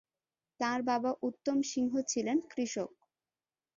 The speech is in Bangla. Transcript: তাঁর বাবা উত্তম সিংহ ছিলেন কৃষক।